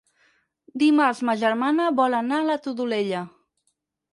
Dimarts ma germana vol anar a la Todolella.